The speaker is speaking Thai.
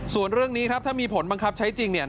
ส่วนเรื่องนี้ครับถ้ามีผลบังคับใช้จริงเนี่ย